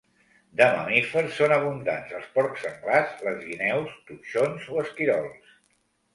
De mamífers són abundants els porcs senglars, les guineus, toixons o esquirols.